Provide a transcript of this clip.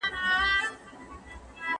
د توحيد لاره په علم کي ده.